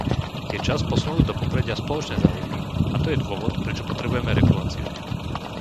Je čas posunúť do popredia spoločné záujmy a to je dôvod, prečo potrebujeme reguláciu.